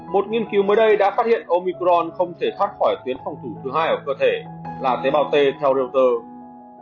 một nghiên cứu mới đây đã phát hiện omicron không thể thoát khỏi tuyến phòng thủ thứ hai ở cơ thể là tế bào t theo reuters